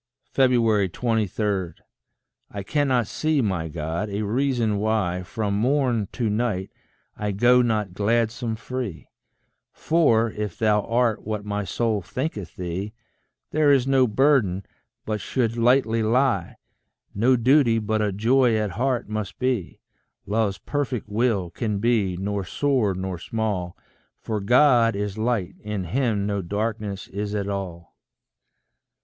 23. I cannot see, my God, a reason why From morn to night I go not gladsome free; For, if thou art what my soul thinketh thee, There is no burden but should lightly lie, No duty but a joy at heart must be: Love's perfect will can be nor sore nor small, For God is light in him no darkness is at all.